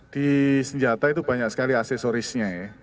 di senjata itu banyak sekali aksesorisnya ya